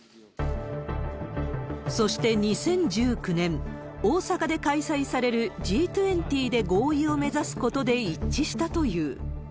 そして２０１９年、大阪で開催されるＧ２０で合意を目指すことで一致したという。